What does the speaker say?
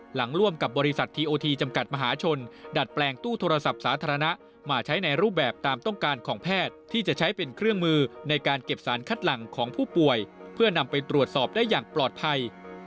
ร่วมกับบริษัททีโอทีจำกัดมหาชนดัดแปลงตู้โทรศัพท์สาธารณะมาใช้ในรูปแบบตามต้องการของแพทย์ที่จะใช้เป็นเครื่องมือในการเก็บสารคัดหลังของผู้ป่วยเพื่อนำไปตรวจสอบได้อย่างปลอดภัย